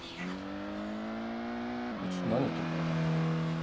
ちょっと何言ってるか分かんない。